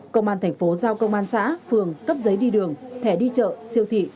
công an thành phố giao công an xã phường cấp giấy đi đường thẻ đi chợ siêu thị